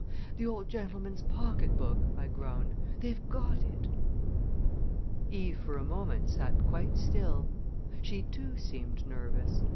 "The old gentleman's pocketbook," I groaned; "they've got it!" Eve for a moment sat quite still; she, too, seemed nervous.